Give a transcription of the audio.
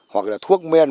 hoặc là thuốc men